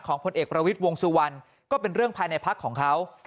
พลเอกประวิทย์วงสุวรรณก็เป็นเรื่องภายในพักของเขา